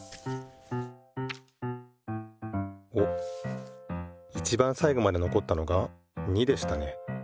おっいちばんさいごまでのこったのが２でしたね。